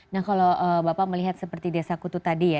nah kalau bapak melihat seperti desa kutu tadi ya